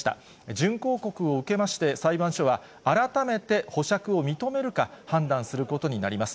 準抗告を受けまして、裁判所は改めて保釈を認めるか判断することになります。